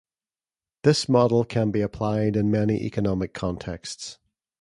This model can be applied in many economic contexts.